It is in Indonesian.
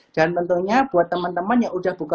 dan tentunya buat teman teman yang sudah buka